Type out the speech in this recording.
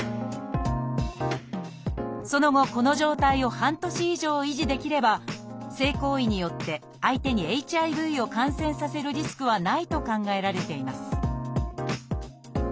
その後この状態を半年以上維持できれば性行為によって相手にＨＩＶを感染させるリスクはないと考えられています